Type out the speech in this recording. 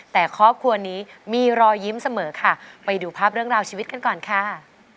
แต่ครอบครัวนี้มีรอยยิ้มเสมอค่ะไปดูภาพเรื่องราวชีวิตกันก่อนค่ะ